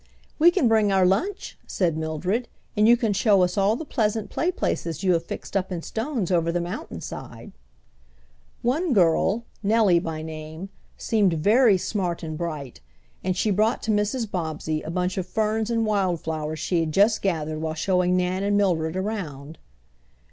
"We can bring our lunch," said Mildred, "and you can show us all the pleasant play places you have fixed up in stones over the mountain side." One girl, Nellie by name, seemed very smart and bright, and she brought to Mrs. Bobbsey a bunch of ferns and wild flowers she had just gathered while showing Nan and Mildred around.